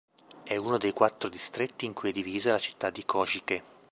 È uno dei quattro distretti in cui è divisa la città di Košice.